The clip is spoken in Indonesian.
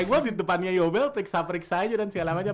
gue di depannya yobel periksa periksa aja dan segala macam